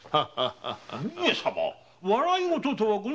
上様笑いごとではございませぬ！